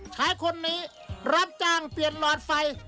ชายคนนี้รับจ้างเปลี่ยนหลอดไฟ